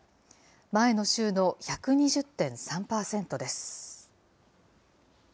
前の週の１２０．３％です。